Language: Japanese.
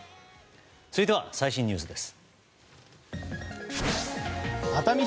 続いては最新ニュースです。